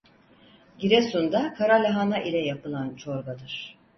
Giresun'da karalahana ile yapılan çorbadır.